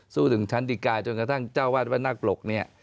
สู้ถึงชั้นดีกาจนกระทั่งเจ้าวาดวัดนาคปรกเนี่ย